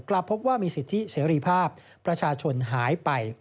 กลับพบว่ามีสิทธิเสรีภาพประชาชนหายไป